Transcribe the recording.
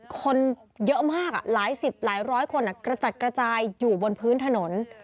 คนเยอะมากหลายสิบหลายร้อยคนกระจัดกระจายอยู่บนพื้นถนน